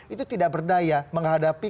itu tidak berdaya menghadapi